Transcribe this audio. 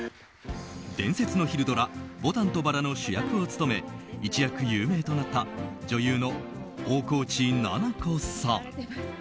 伝説の昼ドラ「牡丹と薔薇」の主役を務め一躍有名となった女優の大河内奈々子さん。